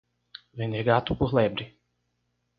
Vender gato por lebre.